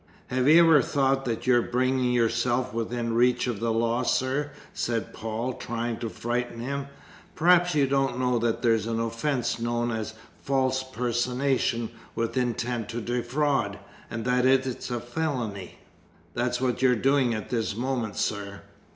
"Have you ever thought that you're bringing yourself within reach of the law, sir?" said Paul, trying to frighten him. "Perhaps you don't know that there's an offence known as 'false personation with intent to defraud,' and that it's a felony. That's what you're doing at this moment, sir!"